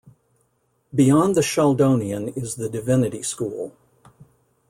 Behind the Sheldonian is the Divinity School.